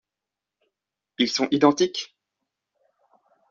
Ils sont identiques ?